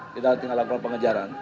kita tinggal lakukan pengejaran